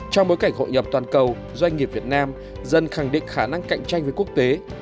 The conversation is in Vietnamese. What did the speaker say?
trong bối cảnh hội nhập toàn cầu doanh nghiệp việt nam dân khẳng định khả năng cạnh tranh với quốc tế